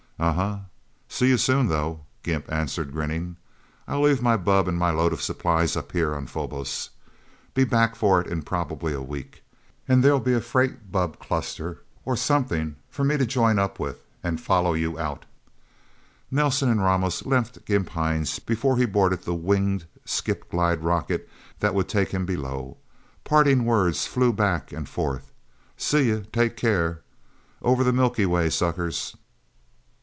"Umhmm. See you soon, though," Gimp answered, grinning. "I'll leave my bubb and my load of supplies up here on Phobos. Be back for it probably in a week. And there'll be a freight bubb cluster, or something, for me to join up with, and follow you Out..." Nelsen and Ramos left Gimp Hines before he boarded the winged skip glide rocket that would take him below. Parting words flew back and forth. "See you... Take care... Over the Milky Way, suckers..."